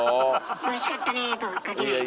「おいしかったね」とかかけないのね。